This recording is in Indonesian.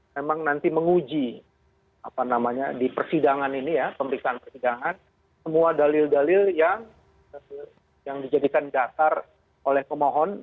memang nanti menguji di persidangan ini ya pemeriksaan persidangan semua dalil dalil yang dijadikan dasar oleh pemohon